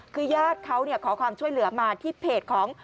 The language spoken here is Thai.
คือญาติเขาขอความช่วยเหลือมาที่เพจของ